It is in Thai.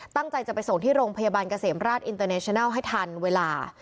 ตั้งใจจะไปส่งที่โรงพยาบาลเกษมราชอินเตอร์เนชนัลให้ทันเวลา